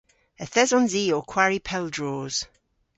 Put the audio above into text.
Yth esons i ow kwari pel droos.